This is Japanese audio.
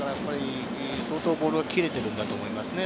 相当ボールが切れてるんだと思いますね。